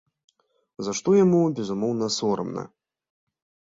За што яму, безумоўна, сорамна.